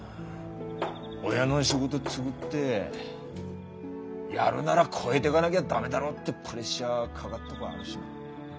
親の仕事継ぐってやるなら超えてかなぎゃ駄目だろってプレッシャーかがっとごあるしな。